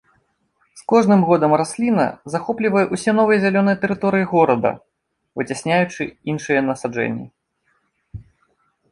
З кожным годам расліна захоплівае ўсё новыя зялёныя тэрыторыі горада, выцясняючы іншыя насаджэнні.